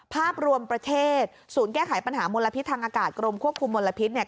ภาพรวมประเทศศูนย์แก้ไขปัญหามลพิษทางอากาศกรมควบคุมมลพิษเนี่ย